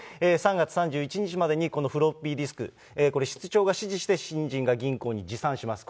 ３月３１日までにこのフロッピーディスク、これ、室長が指示して、新人が銀行に持参します。